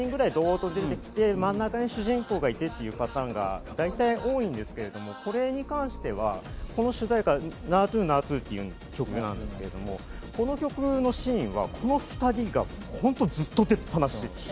真ん中に主人公がいてというパターンが多いんですけれども、これに関しては、この主題歌『ナートゥ・ナートゥ』という曲なんですけれども、この曲のシーンはこの２人が本当にずっと出てる。